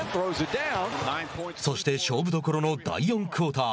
そして勝負どころの第４クオーター。